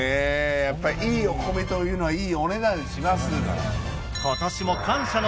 やっぱりいいお米というのはいいお値段します。